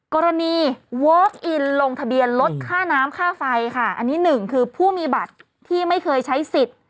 กรณีวอคอินลงทะเบียนลดค่าน้ำค่าไฟค่ะอันนี้หนึ่งคือผู้มีบัตรที่ไม่เคยใช้สิทธิ์